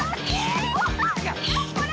これ？